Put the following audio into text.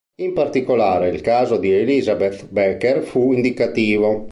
In particolare, il caso di Elisabeth Becker fu indicativo.